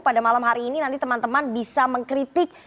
pada malam hari ini nanti teman teman bisa mengkritik